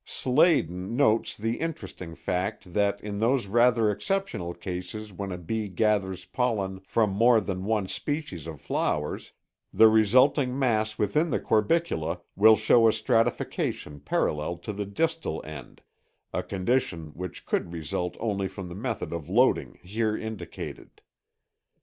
Sladen (1912, b) notes the interesting fact that in those rather exceptional cases when a bee gathers pollen from more than one species of flowers the resulting mass within the corbicula will show a stratification parallel to the distal end, a condition which could result only from the method of loading here indicated.